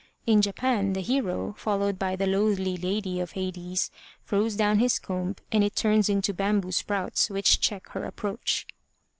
In Japan, the hero, followed by the Loathly Lady of Hades, throws down his comb and it turns into bamboo sprouts which check her approach.